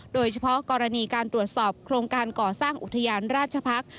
โดยเฉพาะกรณีการตรวจสอบโครงการก่อสร้างอุทยานราชพักษ์